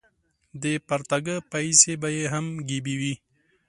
د پرتاګه پایڅې به یې هم ګیبي وې.